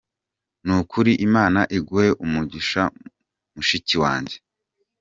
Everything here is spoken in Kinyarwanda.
nukuri Imana iguhe umugisha mushiki wanjye.